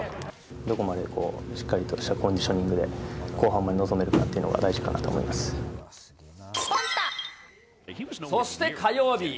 どこまでしっかりとしたコンディショニングで後半まで臨めるかっていうのが、大事かなと思いそして火曜日。